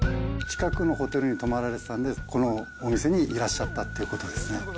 近くのホテルに泊まられてたんで、このお店にいらっしゃったということですね。